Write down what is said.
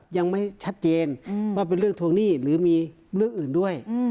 ยังไม่ชัดเจนว่าเป็นเรื่องทวงหนี้หรือมีเรื่องอื่นด้วย